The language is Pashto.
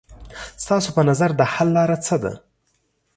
ستاسو په نظر د حل لاره څه ده؟